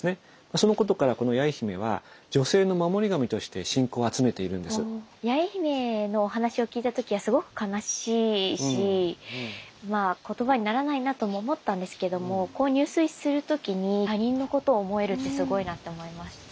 そのことからこの八重姫は八重姫の話を聞いた時はすごく悲しいし言葉にならないなとも思ったんですけども入水する時に他人のことを思えるってすごいなと思いましたね。